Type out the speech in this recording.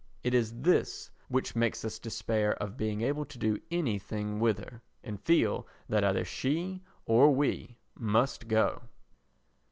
It is this which makes us despair of being able to do anything with her and feel that either she or we must go.